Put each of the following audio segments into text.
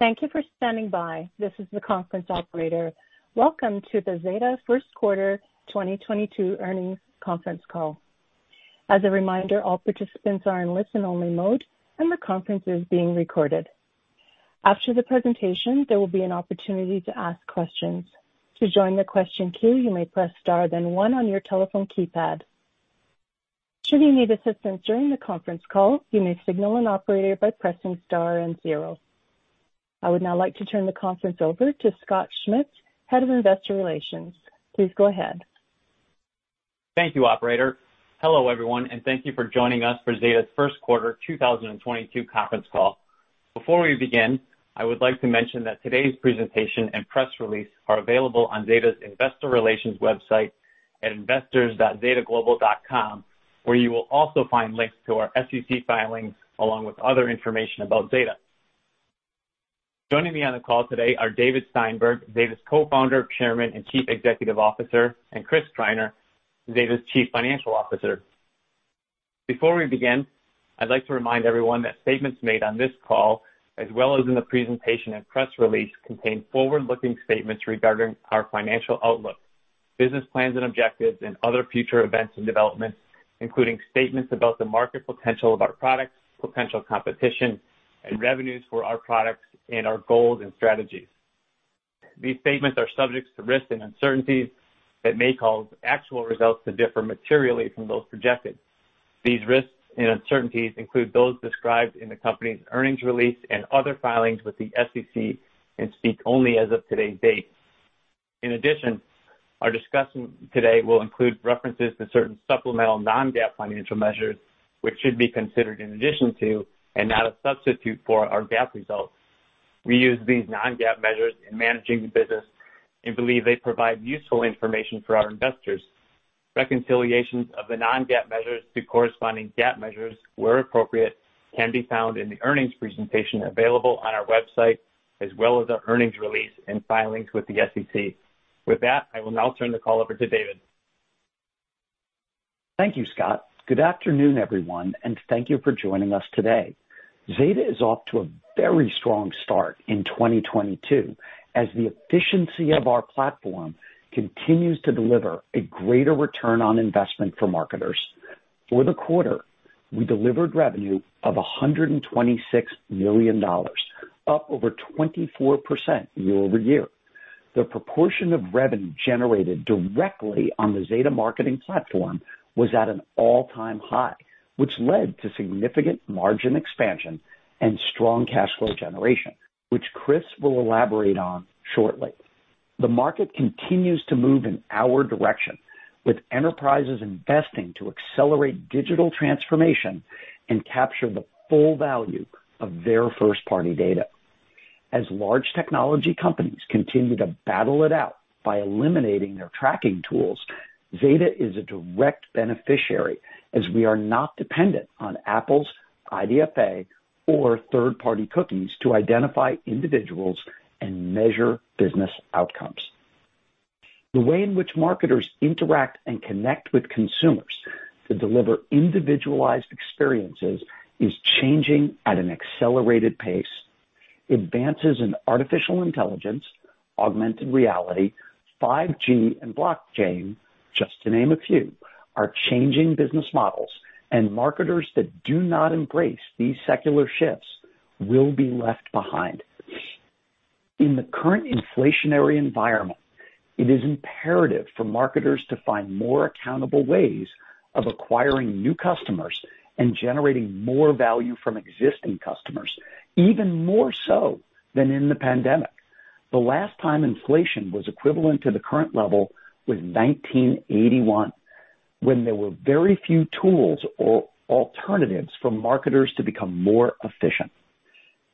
Thank you for standing by. This is the conference operator. Welcome to the Zeta First Quarter 2022 Earnings Conference Call. As a reminder, all participants are in listen-only mode, and the conference is being recorded. After the presentation, there will be an opportunity to ask questions. To join the question queue, you may press star then one on your telephone keypad. Should you need assistance during the conference call, you may signal an operator by pressing star and zero. I would now like to turn the conference over to Scott Schmitz, Head of Investor Relations. Please go ahead. Thank you, operator. Hello, everyone, and thank you for joining us for Zeta's first quarter 2022 conference call. Before we begin, I would like to mention that today's presentation and press release are available on Zeta's investor relations website at investors.zetaglobal.com, where you will also find links to our SEC filings along with other information about Zeta. Joining me on the call today are David Steinberg, Zeta's Co-Founder, Chairman, and Chief Executive Officer, and Chris Greiner, Zeta's Chief Financial Officer. Before we begin, I'd like to remind everyone that statements made on this call, as well as in the presentation and press release, contain forward-looking statements regarding our financial outlook, business plans and objectives, and other future events and developments, including statements about the market potential of our products, potential competition and revenues for our products, and our goals and strategies. These statements are subject to risks and uncertainties that may cause actual results to differ materially from those projected. These risks and uncertainties include those described in the company's earnings release and other filings with the SEC and speak only as of today's date. In addition, our discussion today will include references to certain supplemental non-GAAP financial measures, which should be considered in addition to and not a substitute for our GAAP results. We use these non-GAAP measures in managing the business and believe they provide useful information for our investors. Reconciliations of the non-GAAP measures to corresponding GAAP measures where appropriate can be found in the earnings presentation available on our website, as well as our earnings release and filings with the SEC. With that, I will now turn the call over to David. Thank you, Scott. Good afternoon, everyone, and thank you for joining us today. Zeta is off to a very strong start in 2022 as the efficiency of our platform continues to deliver a greater return on investment for marketers. For the quarter, we delivered revenue of $126 million, up over 24% YoY. The proportion of revenue generated directly on the Zeta Marketing Platform was at an all-time high, which led to significant margin expansion and strong cash flow generation, which Chris will elaborate on shortly. The market continues to move in our direction, with enterprises investing to accelerate digital transformation and capture the full value of their first-party data. As large technology companies continue to battle it out by eliminating their tracking tools, Zeta is a direct beneficiary as we are not dependent on Apple's IDFA or third-party cookies to identify individuals and measure business outcomes. The way in which marketers interact and connect with consumers to deliver individualized experiences is changing at an accelerated pace. Advances in artificial intelligence, augmented reality, 5G and blockchain, just to name a few, are changing business models, and marketers that do not embrace these secular shifts will be left behind. In the current inflationary environment, it is imperative for marketers to find more accountable ways of acquiring new customers and generating more value from existing customers, even more so than in the pandemic. The last time inflation was equivalent to the current level was 1981, when there were very few tools or alternatives for marketers to become more efficient.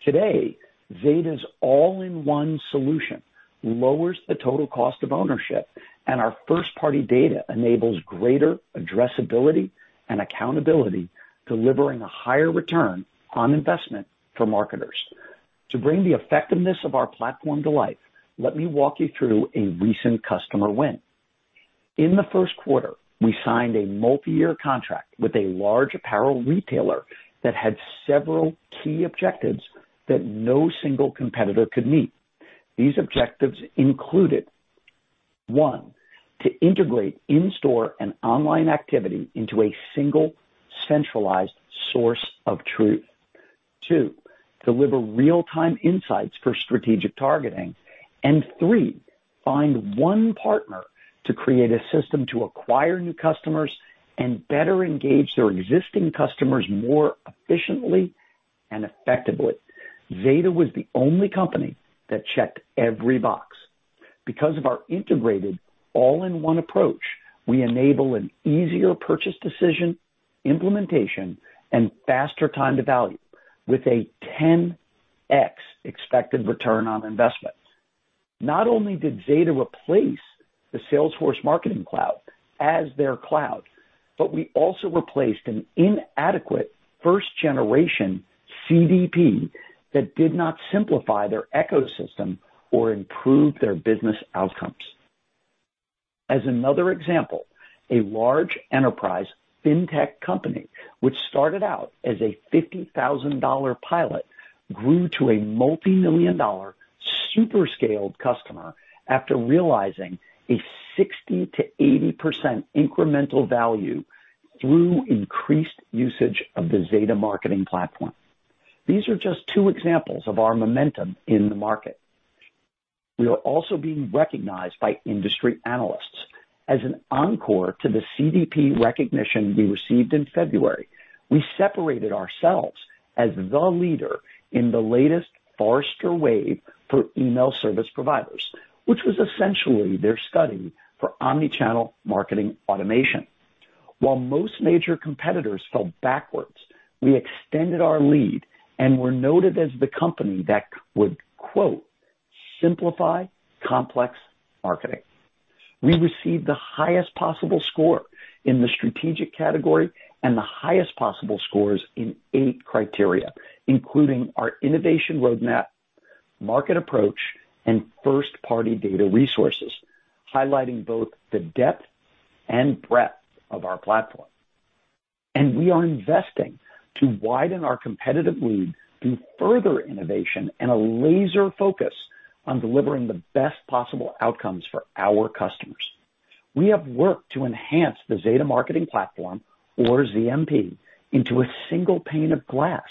Today, Zeta's all-in-one solution lowers the total cost of ownership, and our first-party data enables greater addressability and accountability, delivering a higher return on investment for marketers. To bring the effectiveness of our platform to life, let me walk you through a recent customer win. In the first quarter, we signed a multi-year contract with a large apparel retailer that had several key objectives that no single competitor could meet. These objectives included, one, to integrate in-store and online activity into a single centralized source of truth. Two, deliver real-time insights for strategic targeting. And three, find one partner to create a system to acquire new customers and better engage their existing customers more efficiently and effectively. Zeta was the only company that checked every box. Because of our integrated all-in-one approach, we enable an easier purchase decision, implementation, and faster time to value with a 10x expected return on investment. Not only did Zeta replace the Salesforce Marketing Cloud as their cloud, but we also replaced an inadequate first-generation CDP that did not simplify their ecosystem or improve their business outcomes. As another example, a large enterprise fintech company, which started out as a $50,000 pilot, grew to a $multi-million-dollar super scaled customer after realizing a 60%-80% incremental value through increased usage of the Zeta Marketing Platform. These are just two examples of our momentum in the market. We are also being recognized by industry analysts. As an encore to the CDP recognition we received in February, we separated ourselves as the leader in the latest Forrester Wave for email service providers, which was essentially their study for omni-channel marketing automation. While most major competitors fell backwards, we extended our lead and were noted as the company that would "simplify complex marketing." We received the highest possible score in the strategic category, and the highest possible scores in eight criteria, including our innovation roadmap, market approach, and first-party data resources, highlighting both the depth and breadth of our platform. We are investing to widen our competitive lead through further innovation and a laser focus on delivering the best possible outcomes for our customers. We have worked to enhance the Zeta Marketing Platform or ZMP into a single pane of glass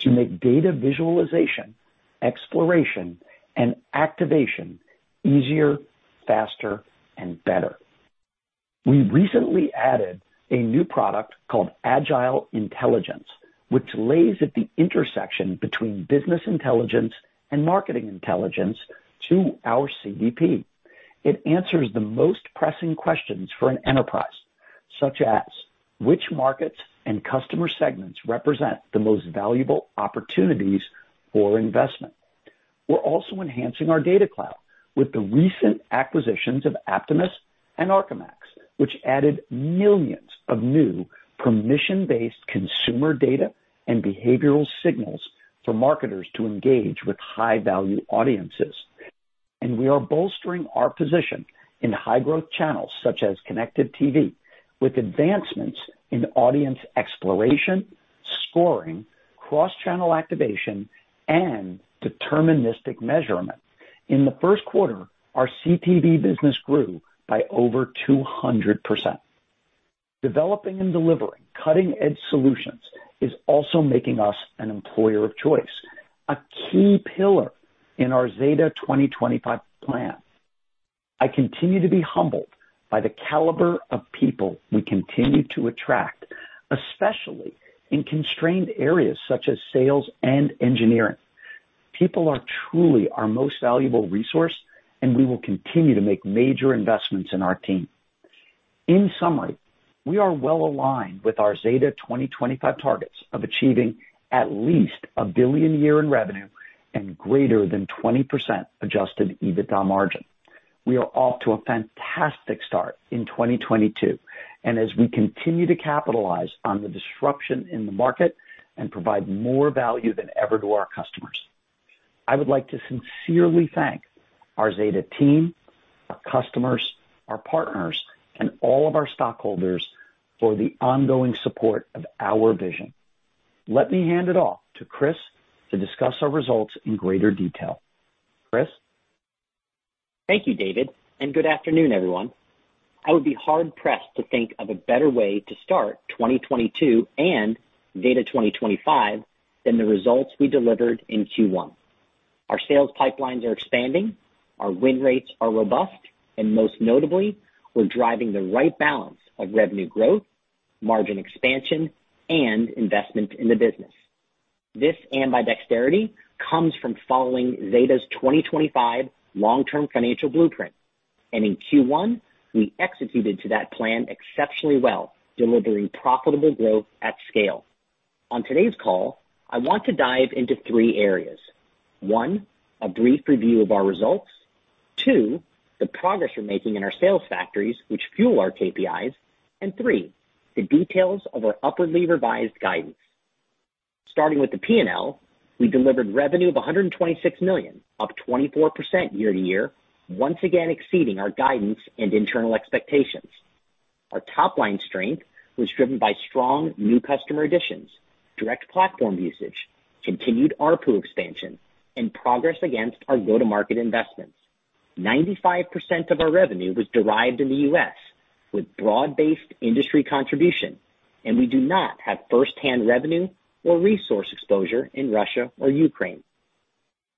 to make data visualization, exploration, and activation easier, faster, and better. We recently added a new product called Agile Intelligence, which lies at the intersection between business intelligence and marketing intelligence to our CDP. It answers the most pressing questions for an enterprise, such as which markets and customer segments represent the most valuable opportunities for investment. We're also enhancing our data cloud with the recent acquisitions of Apptness and ArcaMax, which added millions of new permission-based consumer data and behavioral signals for marketers to engage with high value audiences. We are bolstering our position in high growth channels such as connected TV, with advancements in audience exploration, scoring, cross channel activation, and deterministic measurement. In the first quarter, our CTV business grew by over 200%. Developing and delivering cutting-edge solutions is also making us an employer of choice, a key pillar in our Zeta 2025 plan. I continue to be humbled by the caliber of people we continue to attract, especially in constrained areas such as sales and engineering. People are truly our most valuable resource, and we will continue to make major investments in our team. In summary, we are well aligned with our Zeta 2025 targets of achieving at least $1 billion in revenue and greater than 20% adjusted EBITDA margin. We are off to a fantastic start in 2022, and as we continue to capitalize on the disruption in the market and provide more value than ever to our customers. I would like to sincerely thank our Zeta team, our customers, our partners, and all of our stockholders for the ongoing support of our vision. Let me hand it off to Chris to discuss our results in greater detail. Chris? Thank you, David, and good afternoon, everyone. I would be hard pressed to think of a better way to start 2022 and Zeta 2025 than the results we delivered in Q1. Our sales pipelines are expanding, our win rates are robust, and most notably, we're driving the right balance of revenue growth, margin expansion, and investment in the business. This ambidexterity comes from following Zeta's 2025 long-term financial blueprint. In Q1, we executed to that plan exceptionally well, delivering profitable growth at scale. On today's call, I want to dive into three areas. 1, a brief review of our results. 2, the progress we're making in our sales factories which fuel our KPIs. 3, the details of our upwardly revised guidance. Starting with the P&L, we delivered revenue of $126 million, up 24% YoY, once again exceeding our guidance and internal expectations. Our top line strength was driven by strong new customer additions, direct platform usage, continued ARPU expansion, and progress against our go-to-market investments. 95% of our revenue was derived in the U.S. with broad-based industry contribution, and we do not have first-hand revenue or resource exposure in Russia or Ukraine.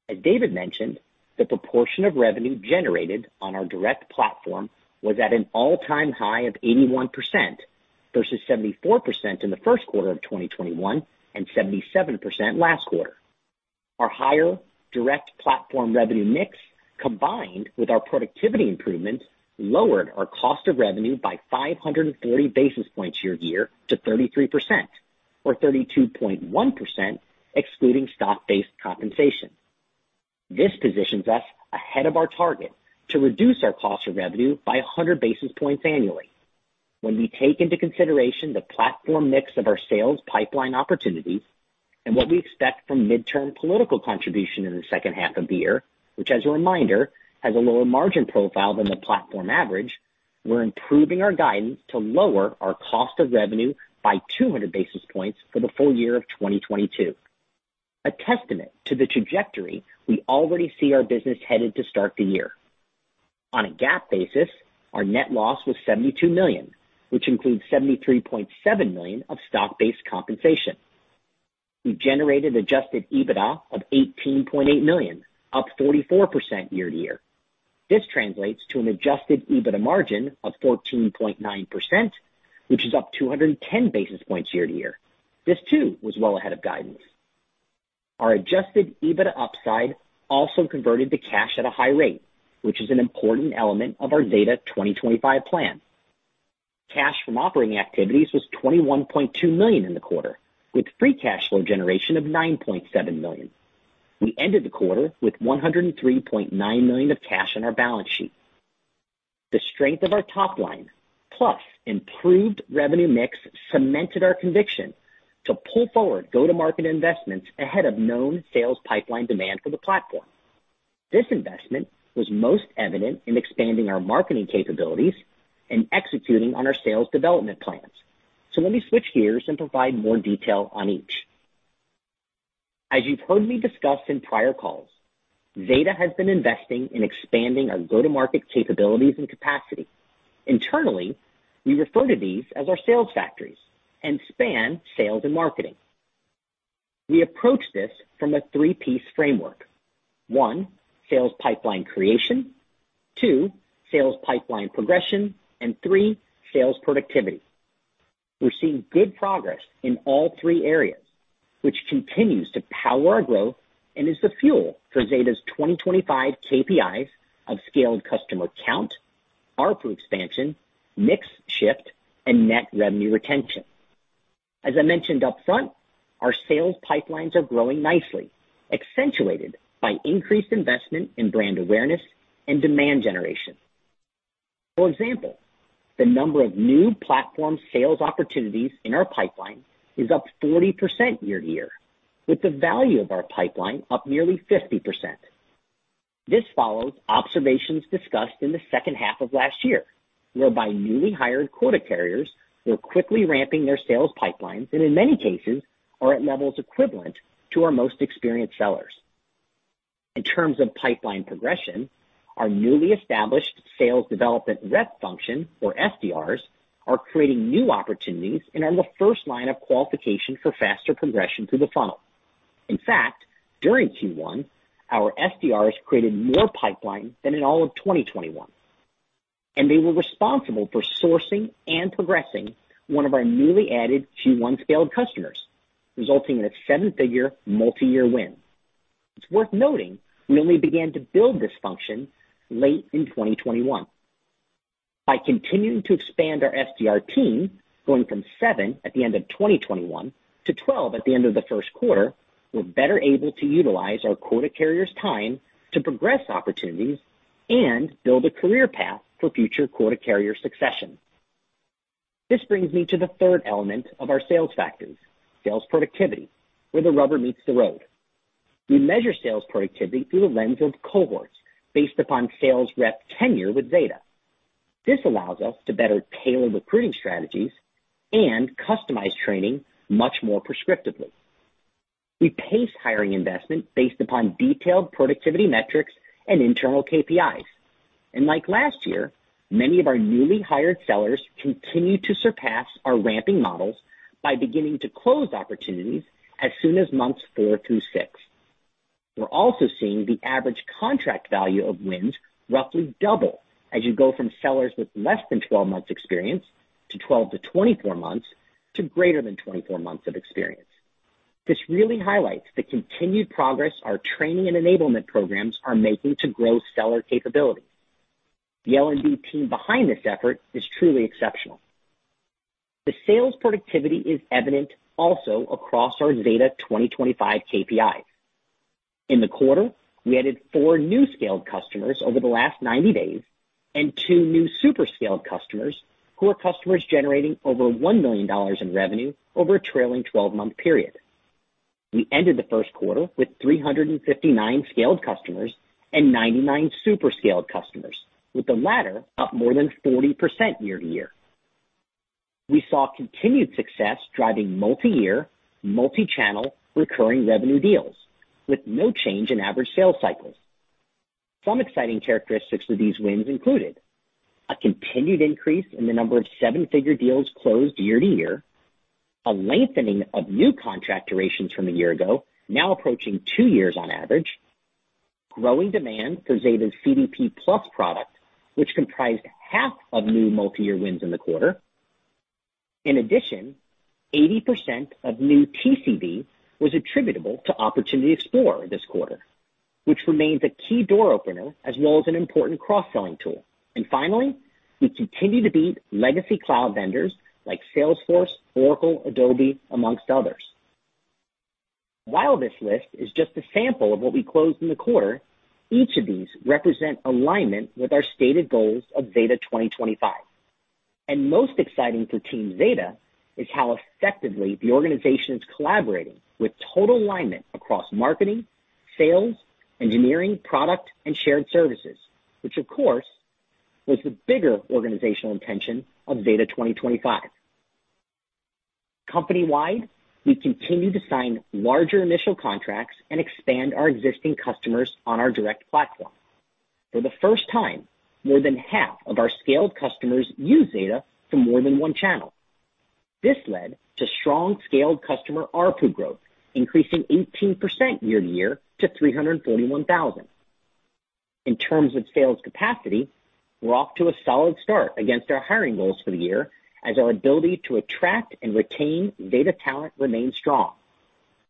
As David mentioned, the proportion of revenue generated on our direct platform was at an all-time high of 81% versus 74% in the first quarter of 2021 and 77% last quarter. Our higher direct platform revenue mix, combined with our productivity improvements, lowered our cost of revenue by 530 basis points YoY to 33%, or 32.1% excluding stock-based compensation. This positions us ahead of our target to reduce our cost of revenue by 100 basis points annually. When we take into consideration the platform mix of our sales pipeline opportunities and what we expect from midterm political contribution in the second half of the year, which as a reminder, has a lower margin profile than the platform average, we're improving our guidance to lower our cost of revenue by 200 basis points for the full year of 2022. A testament to the trajectory we already see our business headed to start the year. On a GAAP basis, our net loss was $72 million, which includes $73.7 million of stock-based compensation. We generated adjusted EBITDA of $18.8 million, up 44% YoY. This translates to an adjusted EBITDA margin of 14.9%, which is up 210 basis points YoY. This too was well ahead of guidance. Our adjusted EBITDA upside also converted to cash at a high rate, which is an important element of our Zeta 2025 plan. Cash from operating activities was $21.2 million in the quarter, with free cash flow generation of $9.7 million. We ended the quarter with $103.9 million of cash on our balance sheet. The strength of our top line, plus improved revenue mix, cemented our conviction to pull forward go-to-market investments ahead of known sales pipeline demand for the platform. This investment was most evident in expanding our marketing capabilities and executing on our sales development plans. Let me switch gears and provide more detail on each. As you've heard me discuss in prior calls, Zeta has been investing in expanding our go-to-market capabilities and capacity. Internally, we refer to these as our sales factories and span sales and marketing. We approach this from a three-piece framework. One, sales pipeline creation. Two, sales pipeline progression, and three, sales productivity. We're seeing good progress in all three areas, which continues to power our growth and is the fuel for Zeta's 2025 KPIs of scaled customer count, ARPU expansion, mix shift, and net revenue retention. As I mentioned up front, our sales pipelines are growing nicely, accentuated by increased investment in brand awareness and demand generation. For example, the number of new platform sales opportunities in our pipeline is up 40% YoY, with the value of our pipeline up nearly 50%. This follows observations discussed in the second half of last year, whereby newly hired quota carriers were quickly ramping their sales pipelines, and in many cases are at levels equivalent to our most experienced sellers. In terms of pipeline progression, our newly established sales development rep function, or SDRs, are creating new opportunities and are the first line of qualification for faster progression through the funnel. In fact, during Q1, our SDRs created more pipeline than in all of 2021, and they were responsible for sourcing and progressing one of our newly added Q1 scaled customers, resulting in a seven-figure multi-year win. It's worth noting we only began to build this function late in 2021. By continuing to expand our SDR team, going from seven at the end of 2021 to 12 at the end of the first quarter, we're better able to utilize our quota carrier's time to progress opportunities and build a career path for future quota carrier succession. This brings me to the third element of our sales factors, sales productivity, where the rubber meets the road. We measure sales productivity through the lens of cohorts based upon sales rep tenure with Zeta. This allows us to better tailor recruiting strategies and customize training much more prescriptively. We pace hiring investment based upon detailed productivity metrics and internal KPIs. Like last year, many of our newly hired sellers continue to surpass our ramping models by beginning to close opportunities as soon as months four through six. We're also seeing the average contract value of wins roughly double as you go from sellers with less than 12 months experience to 12 to 24 months to greater than 24 months of experience. This really highlights the continued progress our training and enablement programs are making to grow seller capability. The L&D team behind this effort is truly exceptional. The sales productivity is evident also across our Zeta 2025 KPIs. In the quarter, we added four new scaled customers over the last 90 days and two new super scaled customers who are customers generating over $1 million in revenue over a trailing 12-month period. We ended the first quarter with 359 scaled customers and 99 super scaled customers, with the latter up more than 40% YoY. We saw continued success driving multi-year, multi-channel recurring revenue deals with no change in average sales cycles. Some exciting characteristics of these wins included a continued increase in the number of seven-figure deals closed YoY, a lengthening of new contract durations from a year ago, now approaching two years on average, growing demand for Zeta's CDP+ product, which comprised half of new multi-year wins in the quarter. In addition, 80% of new TCV was attributable to Opportunity Explorer this quarter, which remains a key door opener as well as an important cross-selling tool. Finally, we continue to beat legacy cloud vendors like Salesforce, Oracle, Adobe, among others. While this list is just a sample of what we closed in the quarter, each of these represent alignment with our stated goals of Zeta 2025. Most exciting for team Zeta is how effectively the organization is collaborating with total alignment across marketing, sales, engineering, product, and shared services, which of course was the bigger organizational intention of Zeta 2025. Company-wide, we continue to sign larger initial contracts and expand our existing customers on our direct platform. For the first time, more than half of our scaled customers use Zeta for more than one channel. This led to strong scaled customer ARPU growth, increasing 18% year-to-year to $341,000. In terms of sales capacity, we're off to a solid start against our hiring goals for the year as our ability to attract and retain data talent remains strong.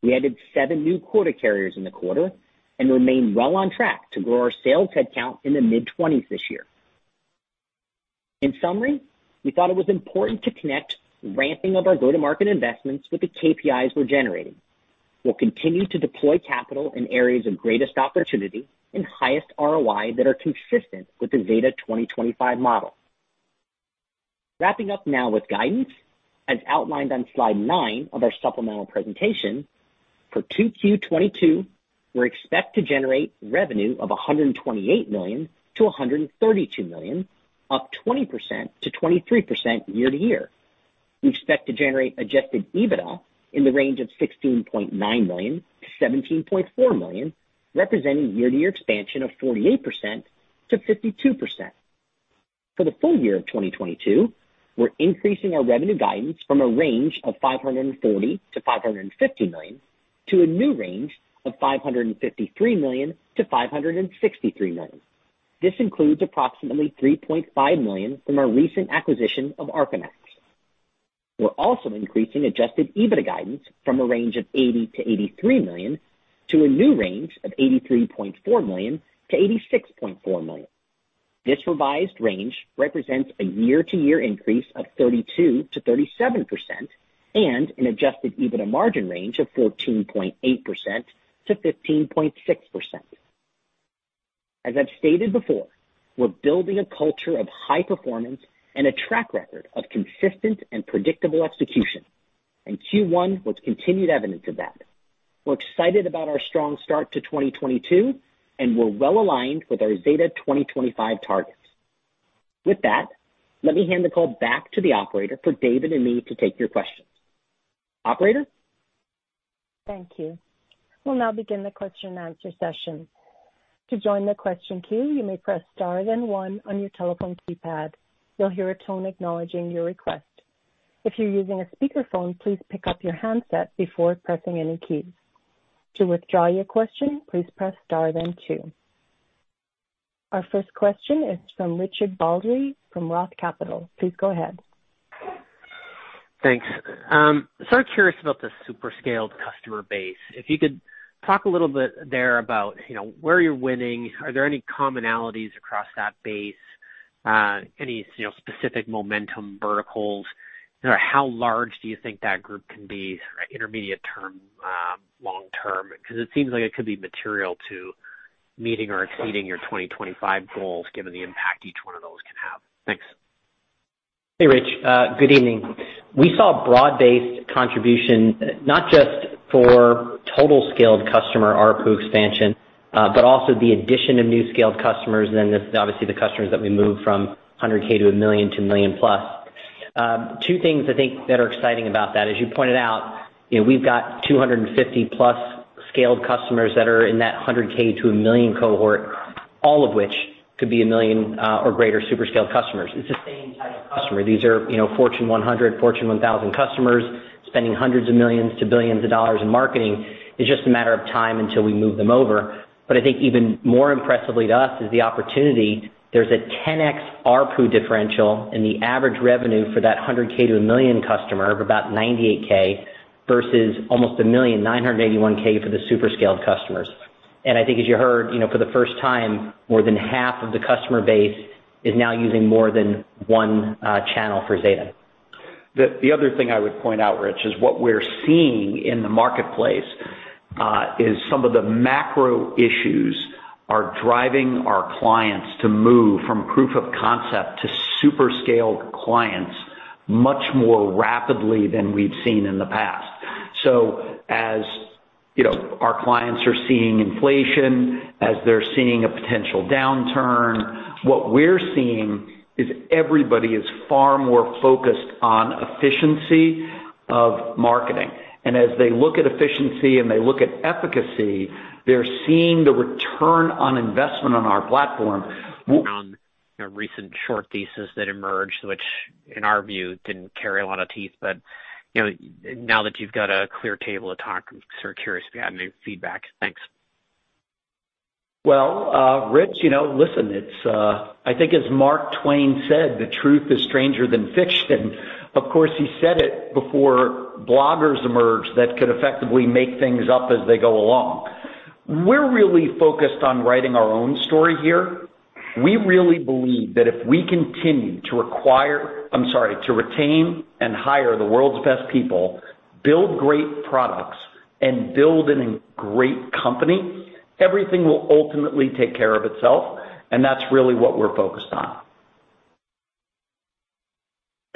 We added seven new quota carriers in the quarter and remain well on track to grow our sales headcount in the mid-20s this year. In summary, we thought it was important to connect ramping of our go-to-market investments with the KPIs we're generating. We'll continue to deploy capital in areas of greatest opportunity and highest ROI that are consistent with the Zeta 2025 model. Wrapping up now with guidance, as outlined on slide nine of our supplemental presentation. For 2Q 2022, we expect to generate revenue of $128 million-$132 million, up 20%-23% year-to-year. We expect to generate adjusted EBITDA in the range of $16.9 million-$17.4 million, representing year-to-year expansion of 48%-52%. For the full year of 2022, we're increasing our revenue guidance from a range of $540 million-$550 million to a new range of $553 million-$563 million. This includes approximately $3.5 million from our recent acquisition of ArcaMax. We're also increasing adjusted EBITDA guidance from a range of $80 million-$83 million to a new range of $83.4 million-$86.4 million. This revised range represents a year-to-year increase of 32%-37% and an adjusted EBITDA margin range of 14.8%-15.6%. As I've stated before, we're building a culture of high performance and a track record of consistent and predictable execution, and Q1 was continued evidence of that. We're excited about our strong start to 2022, and we're well aligned with our Zeta 2025 targets. With that, let me hand the call back to the operator for David and me to take your questions. Operator? Thank you. We'll now begin the question and answer session. To join the question queue, you may press star then one on your telephone keypad. You'll hear a tone acknowledging your request. If you're using a speakerphone, please pick up your handset before pressing any keys. To withdraw your question, please press star then two. Our first question is from Richard Baldry from Roth Capital Partners. Please go ahead. Thanks. Sort of curious about the super scaled customer base. If you could talk a little bit there about, you know, where you're winning. Are there any commonalities across that base? Any, you know, specific momentum verticals? You know, how large do you think that group can be intermediate term, long term? 'Cause it seems like it could be material to meeting or exceeding your 2025 goals, given the impact each one of those can have. Thanks. Hey, Rich. Good evening. We saw broad-based contribution not just for total scaled customer ARPU expansion, but also the addition of new scaled customers, and then obviously, the customers that we moved from $100K to $1 million to $1 million plus. Two things I think that are exciting about that, as you pointed out, you know, we've got 250+ scaled customers that are in that $100K to $1 million cohort, all of which could be $1 million, or greater super scaled customers. It's the same type of customer. These are, you know, Fortune 100, Fortune 1000 customers spending $hundreds of millions to billions in marketing. It's just a matter of time until we move them over. I think even more impressively to us is the opportunity. There's a 10x ARPU differential in the average revenue for that 100K to one million customer of about $98K versus almost $1,981K for the super scaled customers. I think as you heard, you know, for the first time, more than half of the customer base is now using more than one channel for Zeta. The other thing I would point out, Rich, is what we're seeing in the marketplace is some of the macro issues are driving our clients to move from proof of concept to super scaled clients much more rapidly than we've seen in the past. As you know, our clients are seeing inflation, as they're seeing a potential downturn, what we're seeing is everybody is far more focused on efficiency of marketing. As they look at efficiency and they look at efficacy, they're seeing the return on investment on our platform. On recent short thesis that emerged, which in our view didn't carry a lot of teeth. You know, now that you've got a clear table to talk, I'm sort of curious if you have any feedback. Thanks. Well, Rich, you know, listen, it's, I think as Mark Twain said, "The truth is stranger than fiction." Of course, he said it before bloggers emerged that could effectively make things up as they go along. We're really focused on writing our own story here. We really believe that if we continue to retain and hire the world's best people, build great products, and build in a great company, everything will ultimately take care of itself, and that's really what we're focused on.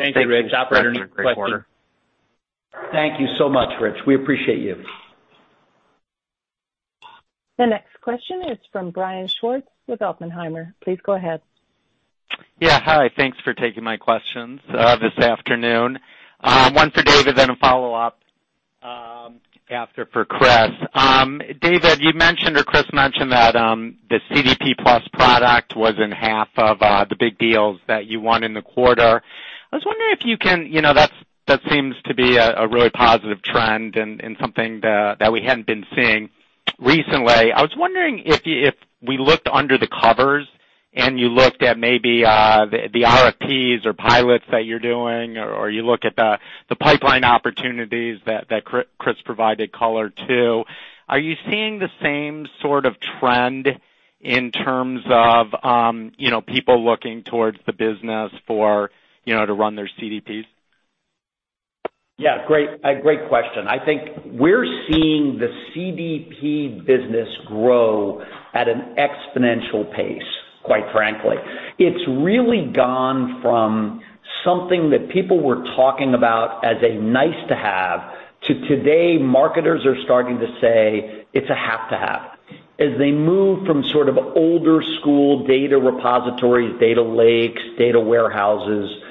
Thank you, Rich. Operator, next question. Thank you so much, Rich. We appreciate you. The next question is from Brian Schwartz with Oppenheimer. Please go ahead. Yeah. Hi. Thanks for taking my questions this afternoon. One for David, then a follow-up after for Chris. David, you mentioned or Chris mentioned that the CDP+ product was in half of the big deals that you won in the quarter. I was wondering if you can. You know, that seems to be a really positive trend and something that we hadn't been seeing recently. I was wondering if we looked under the covers and you looked at maybe the RFPs or pilots that you're doing or you look at the pipeline opportunities that Chris provided color to. Are you seeing the same sort of trend in terms of you know people looking towards the business for you know to run their CDPs? Yeah, great. A great question. I think we're seeing the CDP business grow at an exponential pace, quite frankly. It's really gone from something that people were talking about as a nice to have to today, marketers are starting to say it's a have to have. As they move from sort of older school data repositories, data lakes, data warehouses, to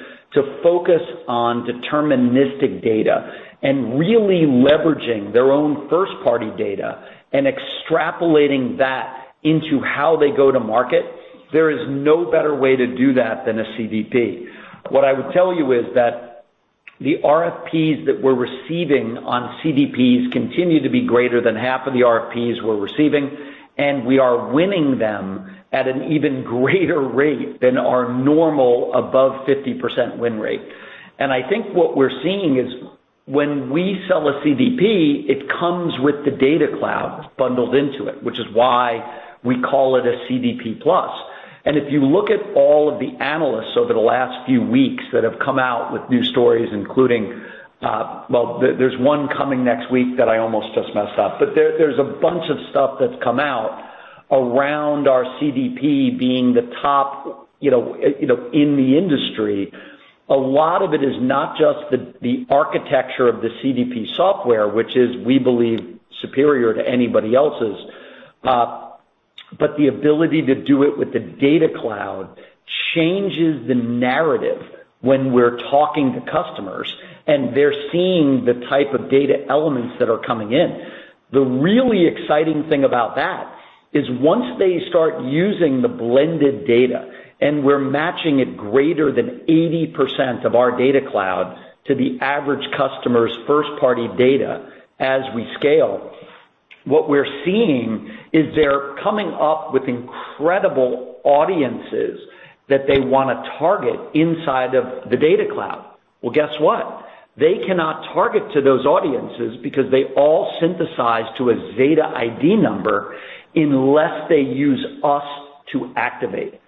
focus on deterministic data and really leveraging their own first-party data and extrapolating that into how they go to market, there is no better way to do that than a CDP. What I would tell you is that the RFPs that we're receiving on CDPs continue to be greater than half of the RFPs we're receiving, and we are winning them at an even greater rate than our normal above 50% win rate. I think what we're seeing is when we sell a CDP, it comes with the Data Cloud bundled into it, which is why we call it a CDP+. If you look at all of the analysts over the last few weeks that have come out with new stories, including, well, there's one coming next week that I almost just messed up. There's a bunch of stuff that's come out around our CDP being the top, you know, you know, in the industry. A lot of it is not just the architecture of the CDP software, which is, we believe, superior to anybody else's, but the ability to do it with the Data Cloud changes the narrative when we're talking to customers and they're seeing the type of data elements that are coming in. The really exciting thing about that is once they start using the blended data, and we're matching it greater than 80% of our data cloud to the average customer's first-party data as we scale, what we're seeing is they're coming up with incredible audiences that they wanna target inside of the data cloud. Well, guess what? They cannot target to those audiences because they all synthesize to a Zeta ID number unless they use us to activate.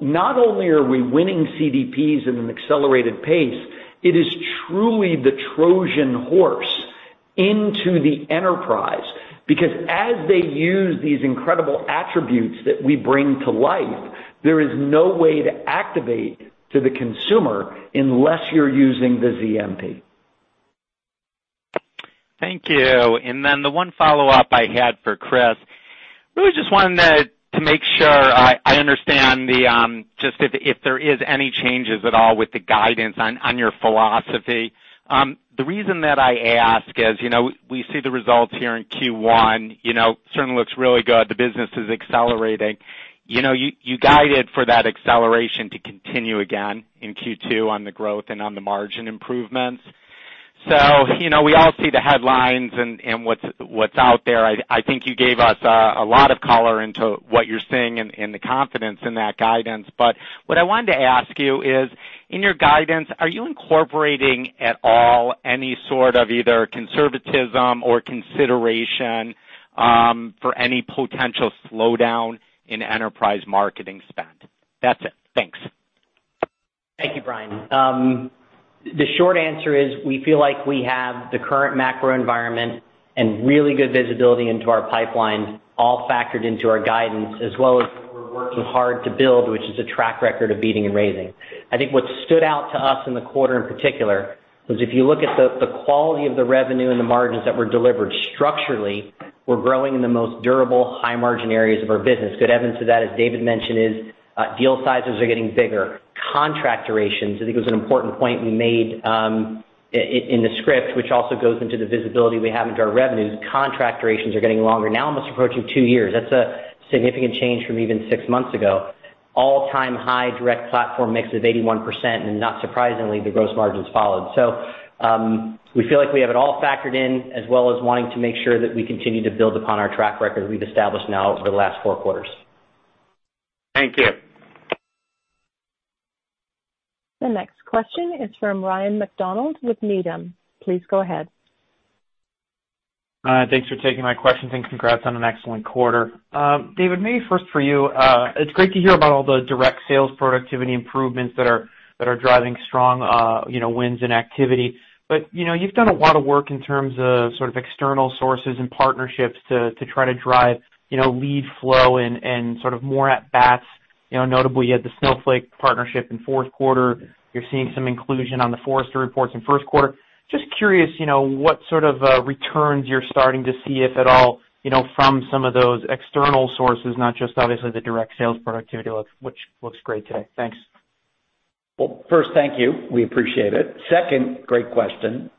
Not only are we winning CDPs in an accelerated pace, it is truly the Trojan horse into the enterprise. Because as they use these incredible attributes that we bring to life, there is no way to activate to the consumer unless you're using the ZMP. Thank you. Then the one follow-up I had for Chris, really just wanted to make sure I understand just if there is any changes at all with the guidance on your philosophy. The reason that I ask is, you know, we see the results here in Q1, you know, certainly looks really good. The business is accelerating. You know, you guided for that acceleration to continue again in Q2 on the growth and on the margin improvements. You know, we all see the headlines and what's out there. I think you gave us a lot of color into what you're seeing and the confidence in that guidance. What I wanted to ask you is, in your guidance, are you incorporating at all any sort of either conservatism or consideration, for any potential slowdown in enterprise marketing spend? That's it. Thanks. Thank you, Brian. The short answer is we feel like we have the current macro environment and really good visibility into our pipeline all factored into our guidance, as well as we're working hard to build, which is a track record of beating and raising. I think what stood out to us in the quarter in particular was if you look at the quality of the revenue and the margins that were delivered, structurally, we're growing in the most durable, high-margin areas of our business. Good evidence to that, as David mentioned, is deal sizes are getting bigger. Contract durations, I think it was an important point we made, in the script, which also goes into the visibility we have into our revenues. Contract durations are getting longer. Now almost approaching two years. That's a significant change from even six months ago. All-time high direct platform mix of 81%, and not surprisingly, the gross margins followed. We feel like we have it all factored in, as well as wanting to make sure that we continue to build upon our track record we've established now over the last four quarters. Thank you. The next question is from Ryan MacDonald with Needham. Please go ahead. Thanks for taking my question, and congrats on an excellent quarter. David, maybe first for you, it's great to hear about all the direct sales productivity improvements that are driving strong, you know, wins and activity. You know, you've done a lot of work in terms of sort of external sources and partnerships to try to drive, you know, lead flow and sort of more at bats, you know, notably at the Snowflake partnership in fourth quarter. You're seeing some inclusion on the Forrester reports in first quarter. Just curious, you know, what sort of returns you're starting to see, if at all, you know, from some of those external sources, not just obviously the direct sales productivity look, which looks great today. Thanks. Well, first, thank you. We appreciate it. Second, great question.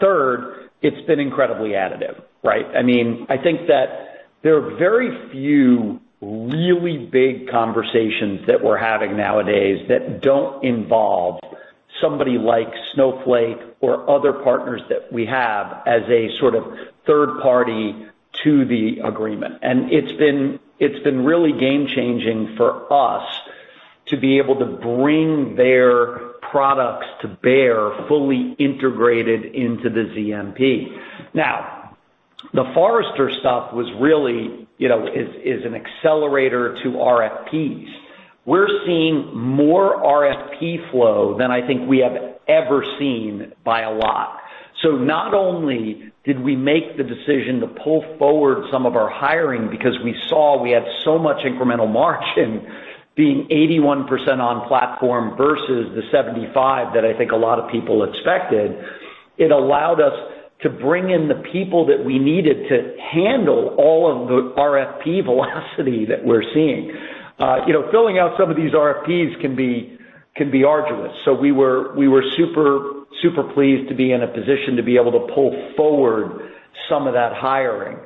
Third, it's been incredibly additive, right? I mean, I think that there are very few really big conversations that we're having nowadays that don't involve somebody like Snowflake or other partners that we have as a sort of third party to the agreement. It's been really game changing for us to be able to bring their products to bear, fully integrated into the ZMP. Now, the Forrester stuff is an accelerator to RFPs. We're seeing more RFP flow than I think we have ever seen by a lot. Not only did we make the decision to pull forward some of our hiring because we saw we had so much incremental margin being 81% on platform versus the 75 that I think a lot of people expected, it allowed us to bring in the people that we needed to handle all of the RFP velocity that we're seeing. You know, filling out some of these RFPs can be arduous. We were super pleased to be in a position to be able to pull forward some of that hiring.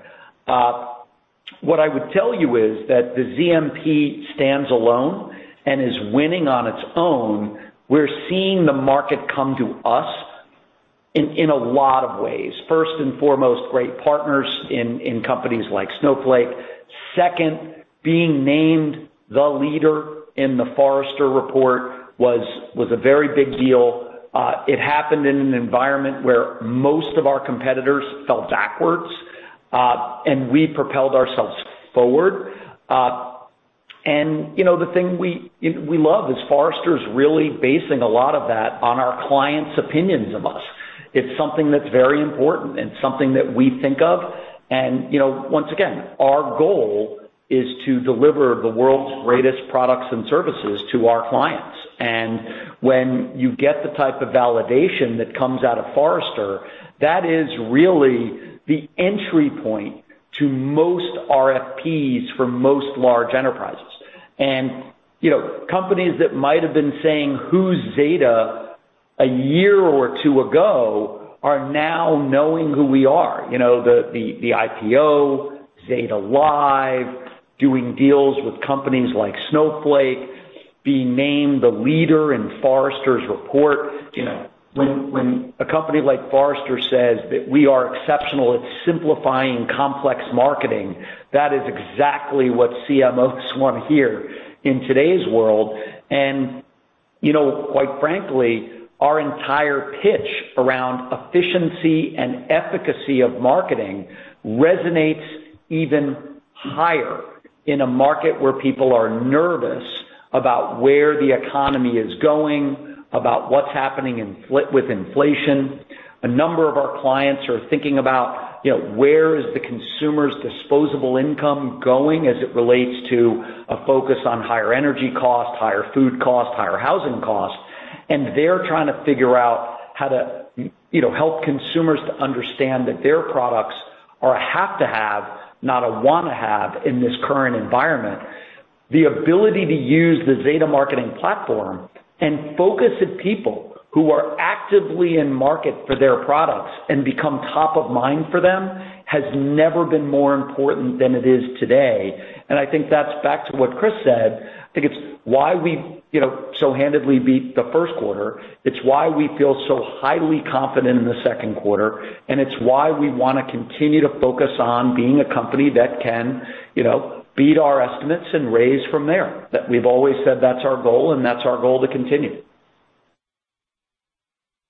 What I would tell you is that the ZMP stands alone and is winning on its own. We're seeing the market come to us in a lot of ways. First and foremost, great partners in companies like Snowflake. Second, being named the leader in the Forrester report was a very big deal. It happened in an environment where most of our competitors fell backwards, and we propelled ourselves forward. You know, the thing we love is Forrester's really basing a lot of that on our clients' opinions of us. It's something that's very important and something that we think of. You know, once again, our goal is to deliver the world's greatest products and services to our clients. When you get the type of validation that comes out of Forrester, that is really the entry point to most RFPs for most large enterprises. You know, companies that might have been saying, "Who's Zeta?" a year or two ago are now knowing who we are. You know, the IPO, Zeta Live, doing deals with companies like Snowflake, being named the leader in Forrester's report. You know, when a company like Forrester says that we are exceptional at simplifying complex marketing, that is exactly what CMOs want to hear in today's world. You know, quite frankly, our entire pitch around efficiency and efficacy of marketing resonates even higher in a market where people are nervous about where the economy is going, about what's happening with inflation. A number of our clients are thinking about, you know, where is the consumer's disposable income going as it relates to a focus on higher energy costs, higher food costs, higher housing costs. They're trying to figure out how to, you know, help consumers to understand that their products are a have-to-have, not a want-to-have in this current environment. The ability to use the Zeta Marketing Platform and focus on people who are actively in market for their products and become top of mind for them has never been more important than it is today. I think that's back to what Chris said. I think it's why we, you know, so handily beat the first quarter. It's why we feel so highly confident in the second quarter, and it's why we wanna continue to focus on being a company that can, you know, beat our estimates and raise from there. That we've always said that's our goal and that's our goal to continue.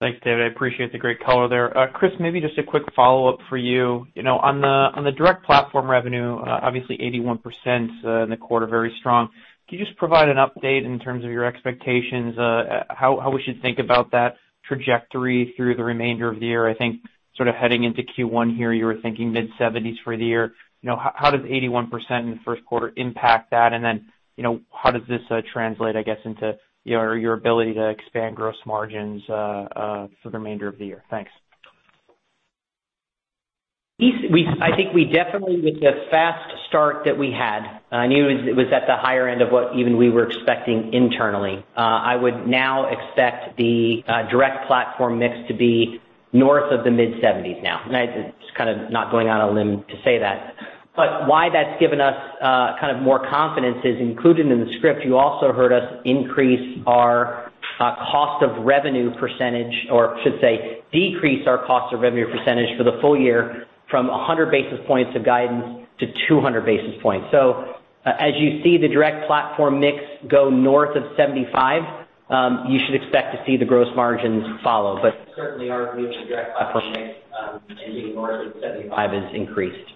Thanks, David. I appreciate the great color there. Chris, maybe just a quick follow-up for you. You know, on the direct platform revenue, obviously 81% in the quarter, very strong. Can you just provide an update in terms of your expectations? How we should think about that trajectory through the remainder of the year? I think sort of heading into Q1 here, you were thinking mid-70s% for the year. You know, how does 81% in the first quarter impact that? You know, how does this translate, I guess, into your ability to expand gross margins for the remainder of the year? Thanks. I think we definitely, with the fast start that we had, I knew it was at the higher end of what even we were expecting internally. I would now expect the direct platform mix to be north of the mid-70s now. It's kind of not going on a limb to say that. Why that's given us kind of more confidence is included in the script. You also heard us increase our cost of revenue percentage, or I should say, decrease our cost of revenue percentage for the full year from 100 basis points of guidance to 200 basis points. As you see the direct platform mix go north of 75, you should expect to see the gross margins follow. Certainly our view of the direct platform mix and being north of 75 is increased.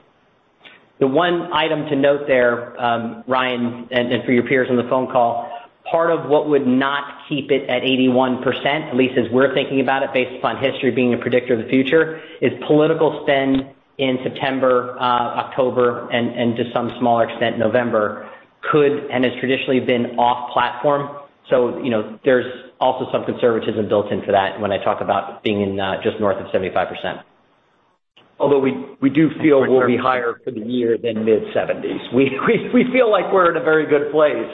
The one item to note there, Ryan, and for your peers on the phone call, part of what would not keep it at 81%, at least as we're thinking about it based upon history being a predictor of the future, is political spend in September, October, and to some smaller extent, November, could and has traditionally been off platform. So, you know, there's also some conservatism built into that when I talk about being in, just north of 75%. Although we do feel we'll be higher for the year than mid-70s%. We feel like we're in a very good place.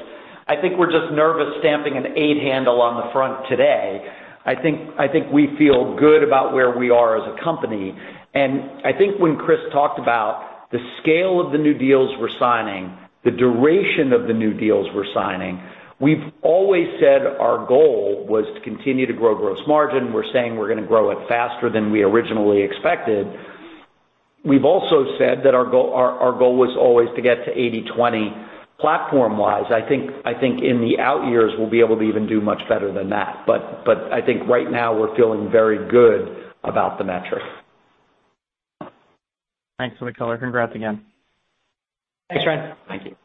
I think we're just nervous stamping an eight handle on the front today. I think we feel good about where we are as a company. I think when Chris talked about the scale of the new deals we're signing, the duration of the new deals we're signing, we've always said our goal was to continue to grow gross margin. We're saying we're gonna grow it faster than we originally expected. We've also said that our goal was always to get to 80/20 platform-wise. I think in the out years, we'll be able to even do much better than that. I think right now we're feeling very good about the metric. Thanks for the color. Congrats again. Thanks, Ryan. Thank you.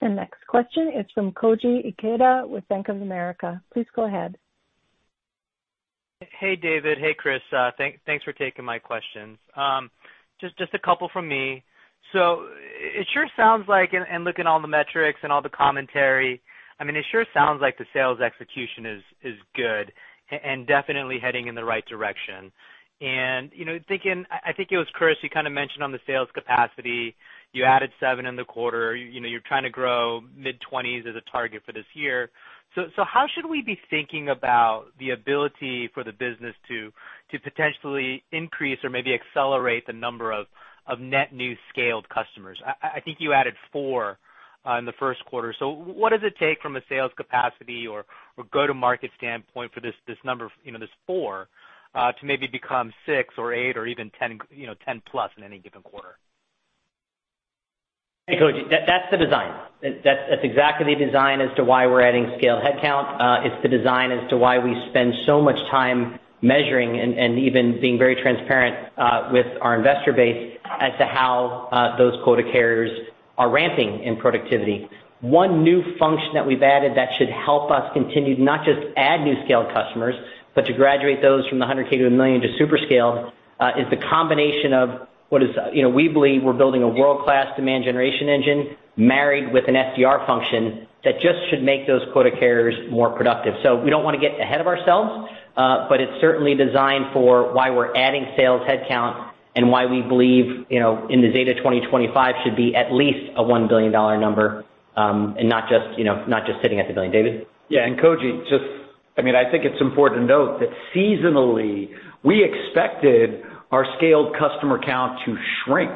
The next question is from Koji Ikeda with Bank of America. Please go ahead. Hey, David. Hey, Chris. Thanks for taking my questions. Just a couple from me. It sure sounds like looking at all the metrics and all the commentary, I mean, it sure sounds like the sales execution is good and definitely heading in the right direction. You know, thinking I think it was Chris, you kinda mentioned on the sales capacity, you added seven in the quarter. You know, you're trying to grow mid-20s as a target for this year. How should we be thinking about the ability for the business to potentially increase or maybe accelerate the number of net new scaled customers? I think you added four in the first quarter. What does it take from a sales capacity or go-to-market standpoint for this number, you know, this four to maybe become six or eight or even 10, you know, 10 plus in any given quarter? Hey, Koji. That's the design. That's exactly the design as to why we're adding scale headcount. It's the design as to why we spend so much time measuring and even being very transparent with our investor base as to how those quota carriers are ramping in productivity. One new function that we've added that should help us continue to not just add new scaled customers, but to graduate those from the 100k to one million to super scale is the combination of. You know, we believe we're building a world-class demand generation engine married with an SDR function that just should make those quota carriers more productive. We don't wanna get ahead of ourselves, but it's certainly designed for why we're adding sales headcount and why we believe, you know, in the Zeta 2025 should be at least a $1 billion number, and not just, you know, not just sitting at the billion. David? Yeah. Koji, just I mean, I think it's important to note that seasonally, we expected our scaled customer count to shrink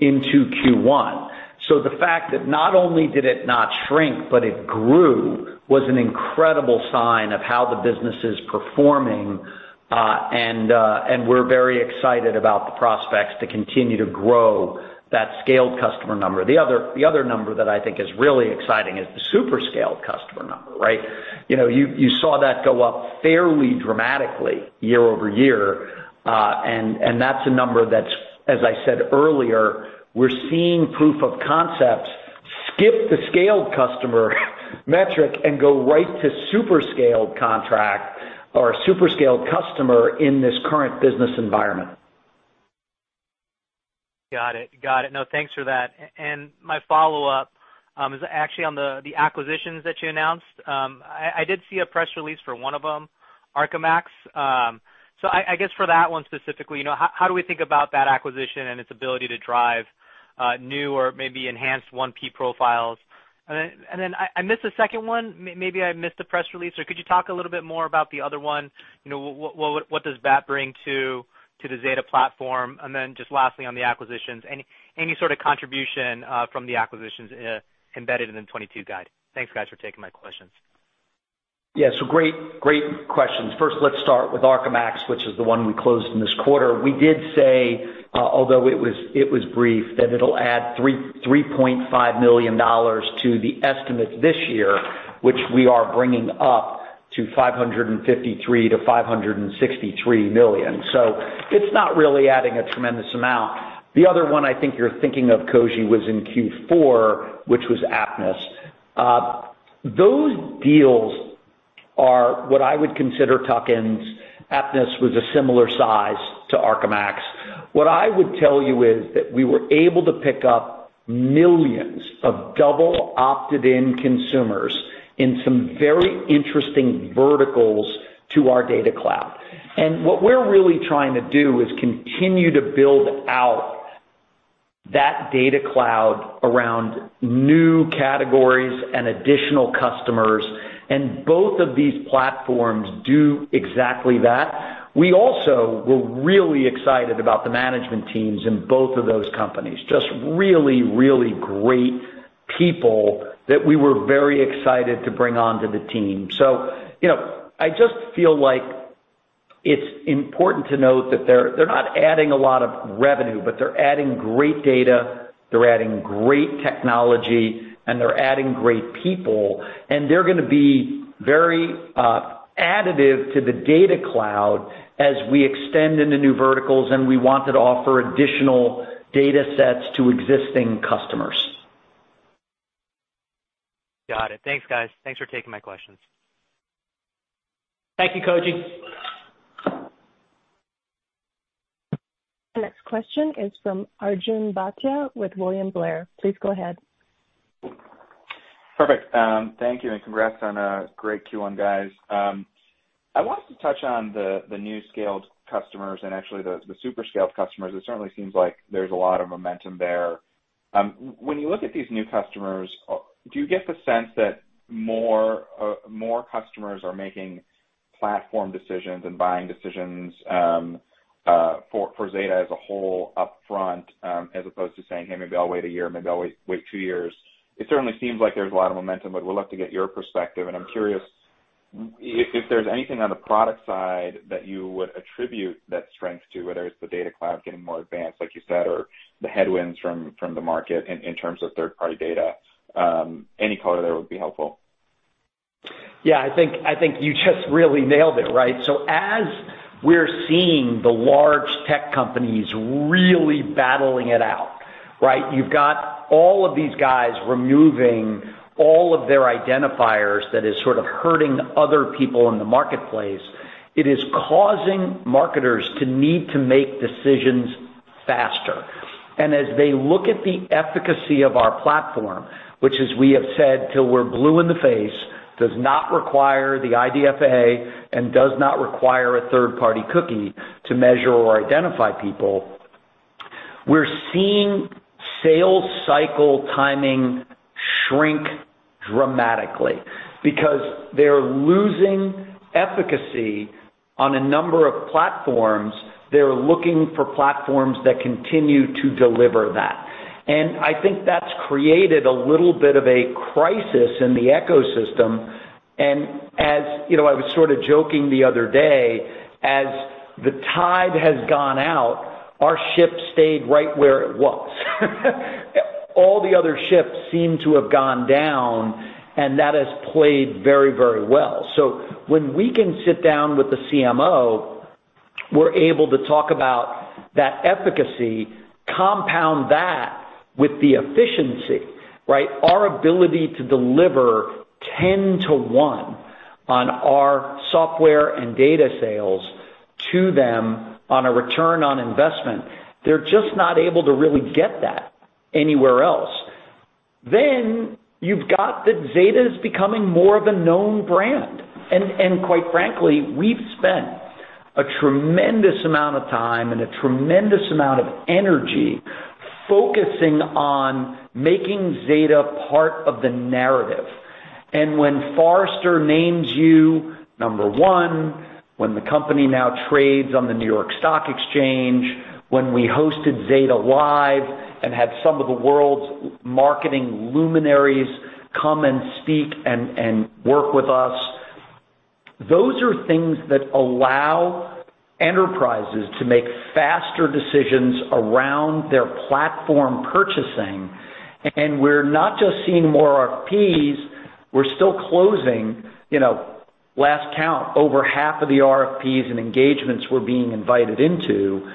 into Q1. The fact that not only did it not shrink, but it grew, was an incredible sign of how the business is performing. We're very excited about the prospects to continue to grow that scaled customer number. The other number that I think is really exciting is the super scaled customer number, right? You saw that go up fairly dramatically YoY. That's a number that's, as I said earlier, we're seeing proof of concepts skip the scaled customer metric and go right to super scaled contract or a super scaled customer in this current business environment. Got it. No, thanks for that. My follow-up is actually on the acquisitions that you announced. I did see a press release for one of them, ArcaMax. I guess for that one specifically, you know, how do we think about that acquisition and its ability to drive new or maybe enhanced 1P profiles? Then I missed the second one. Maybe I missed the press release, so could you talk a little bit more about the other one? You know, what does that bring to the Zeta platform? Then just lastly on the acquisitions, any sort of contribution from the acquisitions embedded in the 2022 guide? Thanks, guys, for taking my questions. Yeah. Great, great questions. First, let's start with ArcaMax, which is the one we closed in this quarter. We did say, although it was brief, that it'll add $3.5 million to the estimate this year, which we are bringing up to $553 million-$563 million. It's not really adding a tremendous amount. The other one I think you're thinking of, Koji, was in Q4, which was Apptness. Those deals are what I would consider tuck-ins. Apptness was a similar size to ArcaMax. What I would tell you is that we were able to pick up millions of double opted-in consumers in some very interesting verticals to our data cloud. What we're really trying to do is continue to build out that Data Cloud around new categories and additional customers, and both of these platforms do exactly that. We also were really excited about the management teams in both of those companies. Just really great people that we were very excited to bring onto the team. You know, it's important to note that they're not adding a lot of revenue, but they're adding great data, they're adding great technology, and they're adding great people. They're gonna be very additive to the Data Cloud as we extend into new verticals, and we want to offer additional datasets to existing customers. Got it. Thanks, guys. Thanks for taking my questions. Thank you, Koji. The next question is from Arjun Bhatia with William Blair. Please go ahead. Perfect. Thank you, and congrats on a great Q1, guys. I wanted to touch on the new scaled customers and actually the super scaled customers. It certainly seems like there's a lot of momentum there. When you look at these new customers, do you get the sense that more customers are making platform decisions and buying decisions for Zeta as a whole upfront, as opposed to saying, "Hey, maybe I'll wait a year, maybe I'll wait two years"? It certainly seems like there's a lot of momentum, but we'd love to get your perspective. I'm curious if there's anything on the product side that you would attribute that strength to, whether it's the Data Cloud getting more advanced, like you said, or the headwinds from the market in terms of third-party data. Any color there would be helpful. Yeah. I think you just really nailed it, right? As we're seeing the large tech companies really battling it out, right? You've got all of these guys removing all of their identifiers that is sort of hurting other people in the marketplace. It is causing marketers to need to make decisions faster. As they look at the efficacy of our platform, which as we have said till we're blue in the face, does not require the IDFA and does not require a third-party cookie to measure or identify people, we're seeing sales cycle timing shrink dramatically because they're losing efficacy on a number of platforms. They're looking for platforms that continue to deliver that. I think that's created a little bit of a crisis in the ecosystem. You know, I was sort of joking the other day, as the tide has gone out, our ship stayed right where it was. All the other ships seem to have gone down, and that has played very, very well. When we can sit down with the CMO, we're able to talk about that efficacy, compound that with the efficiency, right? Our ability to deliver 10-to-1 on our software and data sales to them on a return on investment, they're just not able to really get that anywhere else. You've got that Zeta is becoming more of a known brand. Quite frankly, we've spent a tremendous amount of time and a tremendous amount of energy focusing on making Zeta part of the narrative. When Forrester names you number one, when the company now trades on the New York Stock Exchange, when we hosted Zeta Live and had some of the world's marketing luminaries come and speak and work with us, those are things that allow enterprises to make faster decisions around their platform purchasing. We're not just seeing more RFPs, we're still closing, you know, last count, over half of the RFPs and engagements we're being invited into.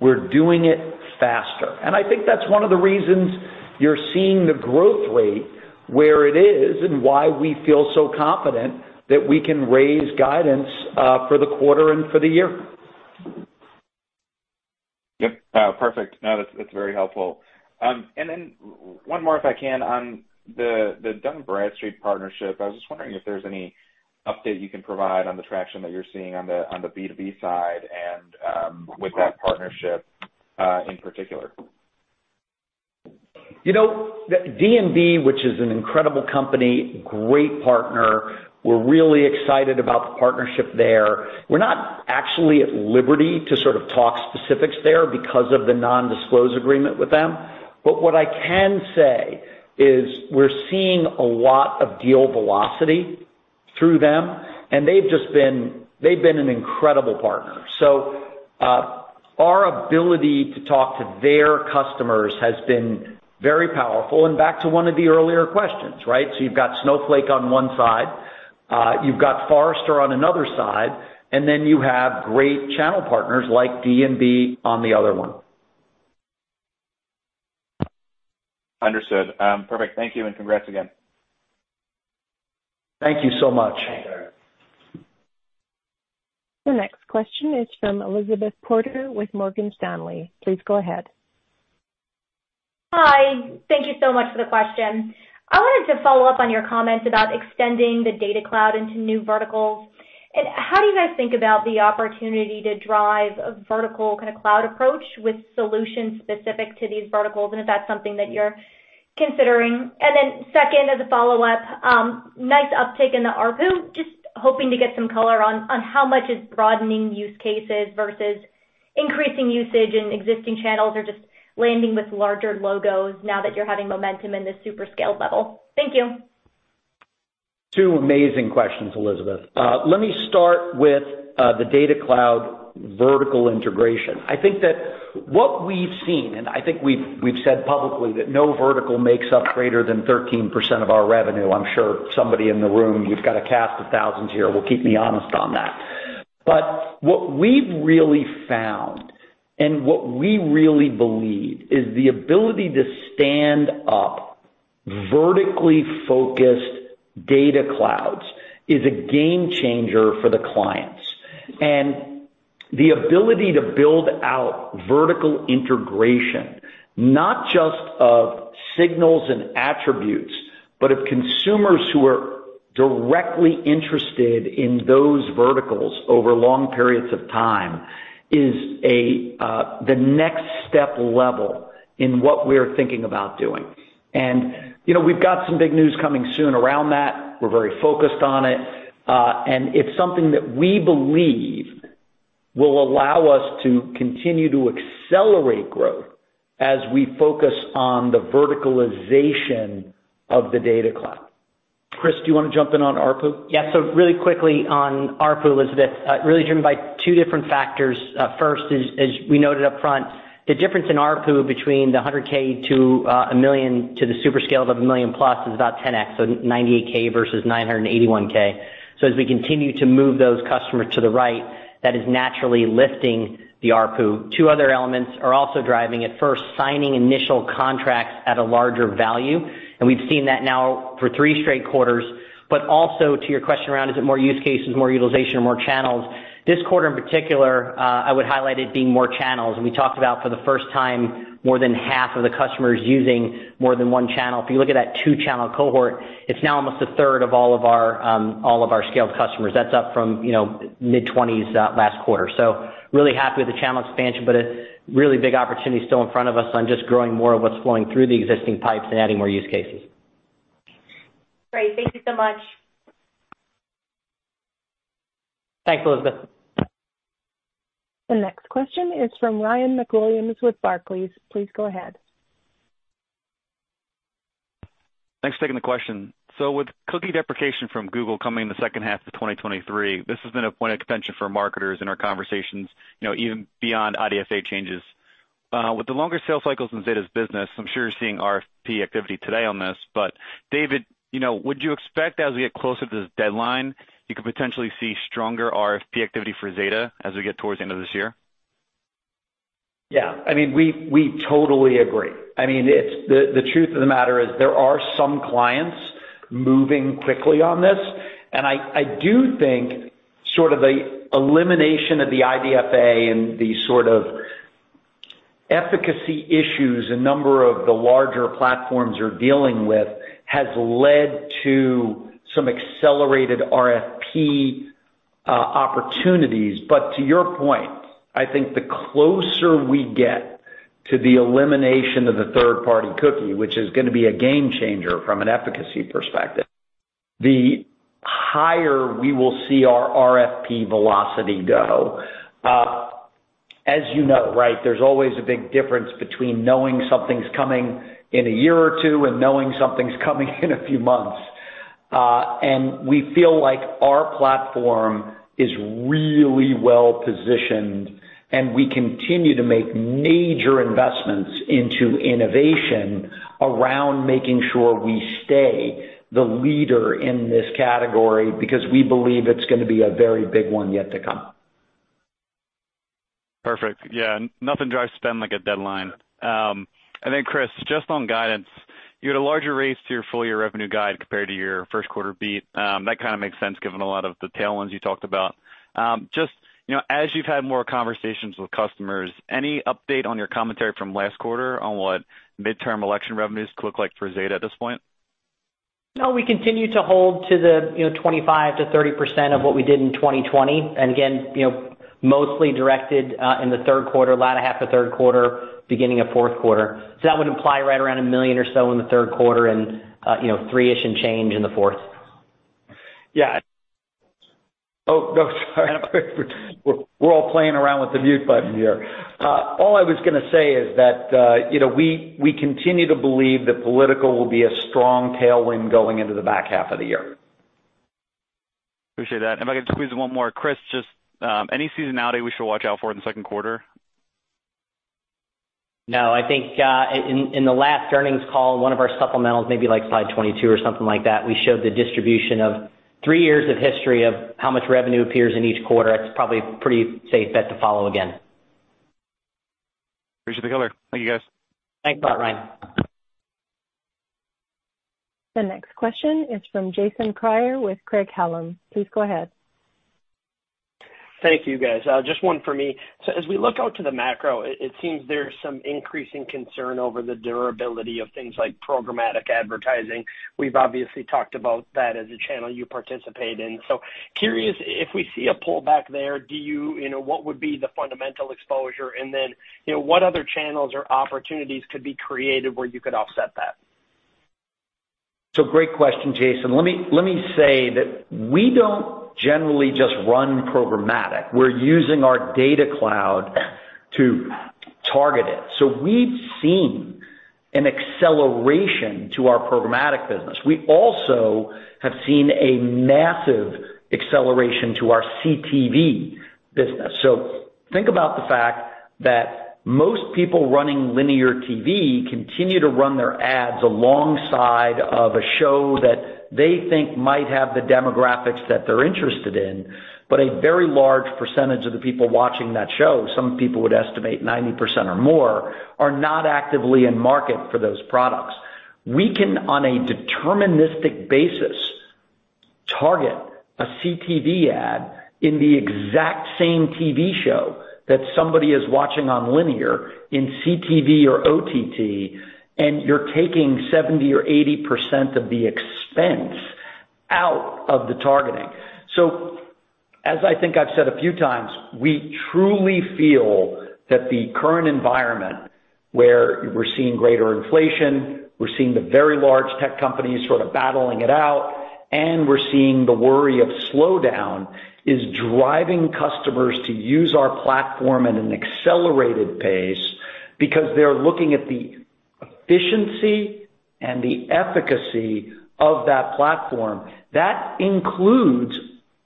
We're doing it faster. I think that's one of the reasons you're seeing the growth rate where it is and why we feel so confident that we can raise guidance for the quarter and for the year. Yep. Perfect. No, that's very helpful. One more, if I can, on the Dun & Bradstreet partnership. I was just wondering if there's any update you can provide on the traction that you're seeing on the B2B side and with that partnership in particular. You know, D&B, which is an incredible company, great partner, we're really excited about the partnership there. We're not actually at liberty to sort of talk specifics there because of the non-disclosure agreement with them. What I can say is we're seeing a lot of deal velocity through them, and they've been an incredible partner. Our ability to talk to their customers has been very powerful. Back to one of the earlier questions, right? You've got Snowflake on one side, you've got Forrester on another side, and then you have great channel partners like D&B on the other one. Understood. Perfect. Thank you, and congrats again. Thank you so much. The next question is from Elizabeth Porter with Morgan Stanley. Please go ahead. Hi. Thank you so much for the question. I wanted to follow up on your comments about extending the Data Cloud into new verticals. How do you guys think about the opportunity to drive a vertical kinda cloud approach with solutions specific to these verticals, and if that's something that you're considering? Second, as a follow-up, nice uptick in the ARPU. Just hoping to get some color on how much is broadening use cases versus increasing usage in existing channels or just landing with larger logos now that you're having momentum in this super scaled level. Thank you. Two amazing questions, Elizabeth. Let me start with the Data Cloud vertical integration. I think that what we've seen, and I think we've said publicly that no vertical makes up greater than 13% of our revenue. I'm sure somebody in the room, you've got a cast of thousands here, will keep me honest on that. What we've really found and what we really believe is the ability to stand up vertically focused Data Clouds is a game changer for the clients. The ability to build out vertical integration, not just of signals and attributes, but of consumers who are directly interested in those verticals over long periods of time, is the next step level in what we're thinking about doing. You know, we've got some big news coming soon around that. We're very focused on it. It's something that we believe will allow us to continue to accelerate growth as we focus on the verticalization of the Data Cloud. Chris, do you want to jump in on ARPU? Yeah. Really quickly on ARPU, Elizabeth, really driven by two different factors. First is, as we noted up front, the difference in ARPU between the 100K to a million to the super scale of a million plus is about 10x, so 98K versus 981K. As we continue to move those customers to the right, that is naturally lifting the ARPU. Two other elements are also driving it. First, signing initial contracts at a larger value. We've seen that now for three straight quarters. Also to your question around is it more use cases, more utilization, more channels? This quarter in particular, I would highlight it being more channels. We talked about for the first time more than half of the customers using more than one channel. If you look at that two-channel cohort, it's now almost a third of all of our scaled customers. That's up from, you know, mid-20s that last quarter. Really happy with the channel expansion, but a really big opportunity still in front of us on just growing more of what's flowing through the existing pipes and adding more use cases. Great. Thank you so much. Thanks, Elizabeth. The next question is from Ryan MacWilliams with Barclays. Please go ahead. Thanks for taking the question. With cookie deprecation from Google coming in the second half of 2023, this has been a point of contention for marketers in our conversations, you know, even beyond IDFA changes. With the longer sales cycles in Zeta's business, I'm sure you're seeing RFP activity today on this. David, you know, would you expect as we get closer to this deadline, you could potentially see stronger RFP activity for Zeta as we get towards the end of this year? Yeah, I mean, we totally agree. I mean, it's the truth of the matter is there are some clients moving quickly on this. I do think sort of the elimination of the IDFA and the sort of efficacy issues a number of the larger platforms are dealing with has led to some accelerated RFP opportunities. To your point, I think the closer we get to the elimination of the third-party cookie, which is gonna be a game changer from an efficacy perspective, the higher we will see our RFP velocity go. As you know, right, there's always a big difference between knowing something's coming in a year or two and knowing something's coming in a few months. We feel like our platform is really well positioned, and we continue to make major investments into innovation around making sure we stay the leader in this category, because we believe it's gonna be a very big one yet to come. Perfect. Yeah, nothing drives spend like a deadline. Chris, just on guidance, you had a larger raise to your full year revenue guide compared to your first quarter beat. That kinda makes sense given a lot of the tailwinds you talked about. Just, you know, as you've had more conversations with customers, any update on your commentary from last quarter on what midterm election revenues could look like for Zeta at this point? No, we continue to hold to the, you know, 25%-30% of what we did in 2020. Again, you know, mostly directed in the third quarter, latter half of third quarter, beginning of fourth quarter. That would imply right around $1 million or so in the third quarter and, you know, $3-ish million and change in the fourth. Yeah. Oh, no, sorry. We're all playing around with the mute button here. All I was gonna say is that, you know, we continue to believe that politics will be a strong tailwind going into the back half of the year. Appreciate that. If I could squeeze in one more. Chris, just any seasonality we should watch out for in the second quarter? No, I think, in the last earnings call, one of our supplementals, maybe like slide 22 or something like that, we showed the distribution of three years of history of how much revenue appears in each quarter. It's probably a pretty safe bet to follow again. Appreciate the color. Thank you, guys. Thanks, Ryan. The next question is from Jason Kreyer with Craig-Hallum. Please go ahead. Thank you, guys. Just one for me. As we look out to the macro, it seems there's some increasing concern over the durability of things like programmatic advertising. We've obviously talked about that as a channel you participate in. Curious if we see a pullback there, do you know what would be the fundamental exposure and then what other channels or opportunities could be created where you could offset that? Great question, Jason. Let me say that we don't generally just run programmatic. We're using our Data Cloud to target. We've seen an acceleration to our programmatic business. We also have seen a massive acceleration to our CTV business. Think about the fact that most people running linear TV continue to run their ads alongside of a show that they think might have the demographics that they're interested in. A very large percentage of the people watching that show, some people would estimate 90% or more, are not actively in market for those products. We can, on a deterministic basis, target a CTV ad in the exact same TV show that somebody is watching on linear, in CTV or OTT, and you're taking 70% or 80% of the expense out of the targeting. As I think I've said a few times, we truly feel that the current environment where we're seeing greater inflation, we're seeing the very large tech companies sort of battling it out, and we're seeing the worry of slowdown, is driving customers to use our platform at an accelerated pace because they're looking at the efficiency and the efficacy of that platform. That includes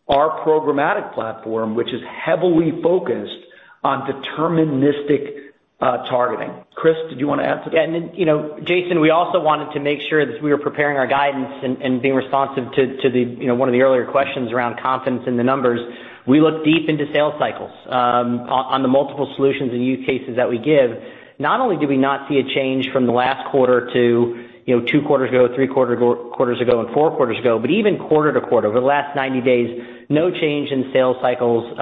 our programmatic platform, which is heavily focused on deterministic targeting. Chris, did you wanna add to that? Yeah. You know, Jason, we also wanted to make sure that we were preparing our guidance and being responsive to the, you know, one of the earlier questions around confidence in the numbers. We look deep into sales cycles on the multiple solutions and use cases that we give. Not only do we not see a change from the last quarter to, you know, two quarters ago, three quarters ago, and four quarters ago, but even quarter to quarter, over the last 90 days, no change in sales cycles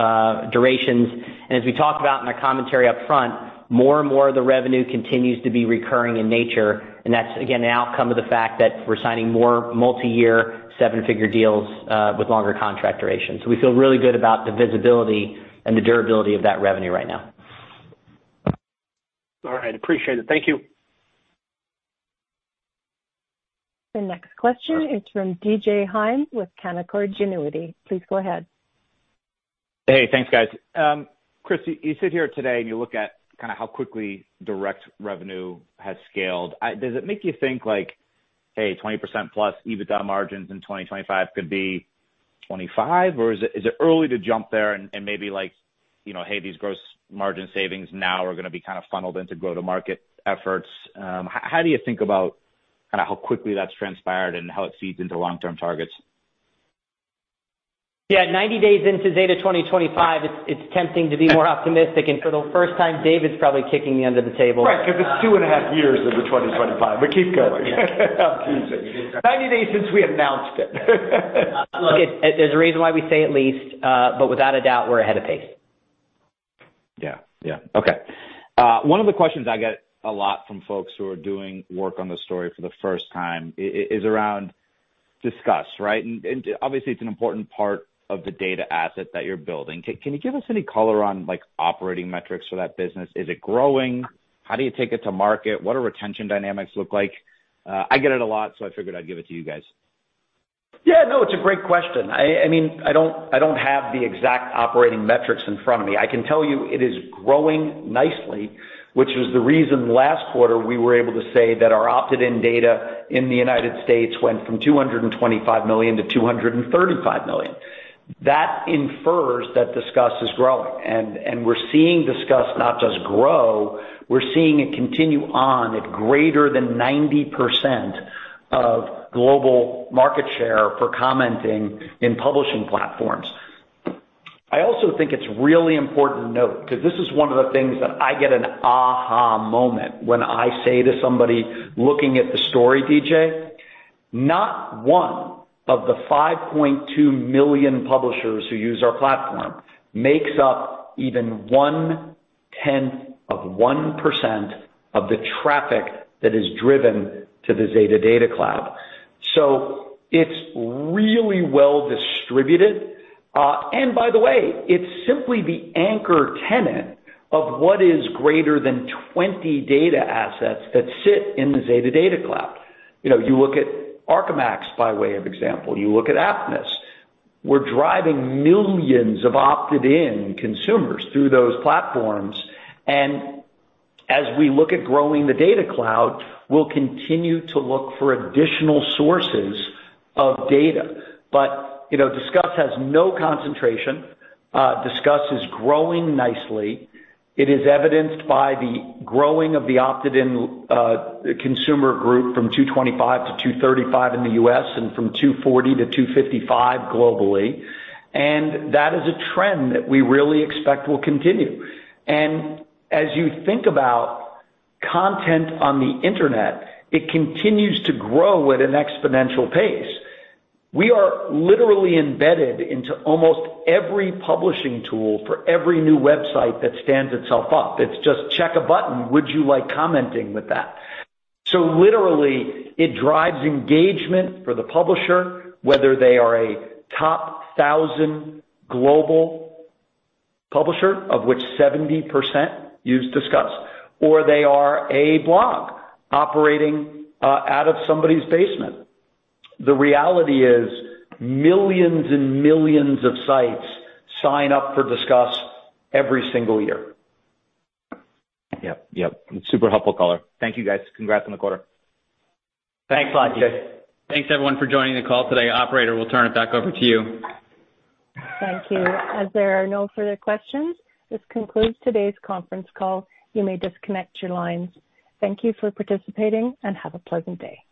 durations. As we talked about in our commentary up front, more and more of the revenue continues to be recurring in nature, and that's again, an outcome of the fact that we're signing more multi-year seven-figure deals with longer contract durations. We feel really good about the visibility and the durability of that revenue right now. All right. Appreciate it. Thank you. The next question is from DJ Hynes with Canaccord Genuity. Please go ahead. Hey, thanks, guys. Chris, you sit here today and you look at kinda how quickly direct revenue has scaled. Does it make you think like, "Hey, 20%+ EBITDA margins in 2025 could be 25," or is it early to jump there and maybe like, you know, hey, these gross margin savings now are gonna be kind of funneled into go-to-market efforts? How do you think about kinda how quickly that's transpired and how it feeds into long-term targets? Yeah, 90 days into Zeta 2025, it's tempting to be more optimistic. For the first time, David's probably kicking me under the table. Right. If it's 2.5 years into 2025, but keep going. 90 days since we announced it. Look, there's a reason why we say at least, but without a doubt, we're ahead of pace. Yeah. Okay. One of the questions I get a lot from folks who are doing work on the story for the first time is around Disqus, right? Obviously it's an important part of the data asset that you're building. Can you give us any color on like operating metrics for that business? Is it growing? How do you take it to market? What do retention dynamics look like? I get it a lot, so I figured I'd give it to you guys. Yeah, no, it's a great question. I mean, I don't have the exact operating metrics in front of me. I can tell you it is growing nicely, which was the reason last quarter we were able to say that our opted-in data in the United States went from 225 million to 235 million. That infers that Disqus is growing. We're seeing Disqus not just grow, we're seeing it continue on at greater than 90% of global market share for commenting in publishing platforms. I also think it's really important to note, 'cause this is one of the things that I get an aha moment when I say to somebody looking at the story, DJ, not one of the 5.2 million publishers who use our platform makes up even 0.1% of the traffic that is driven to the Zeta Data Cloud. So it's really well distributed. And by the way, it's simply the anchor tenant of what is greater than 20 data assets that sit in the Zeta Data Cloud. You know, you look at ArcaMax, by way of example, you look at Apptness, we're driving millions of opted-in consumers through those platforms. And as we look at growing the Data Cloud, we'll continue to look for additional sources of data. You know, Disqus has no concentration. Disqus is growing nicely. It is evidenced by the growing of the opted-in consumer group from 225-235 in the U.S. And from 240-255 globally. That is a trend that we really expect will continue. As you think about content on the internet, it continues to grow at an exponential pace. We are literally embedded into almost every publishing tool for every new website that stands itself up. It's just check a button, would you like commenting with that? It drives engagement for the publisher, whether they are a top 1,000 global publisher, of which 70% use Disqus, or they are a blog operating out of somebody's basement. The reality is millions and millions of sites sign up for Disqus every single year. Yep. Yep. Super helpful color. Thank you, guys. Congrats on the quarter. Thanks a lot, DJ. Thanks everyone for joining the call today. Operator, we'll turn it back over to you. Thank you. As there are no further questions, this concludes today's conference call. You may disconnect your lines. Thank you for participating and have a pleasant day.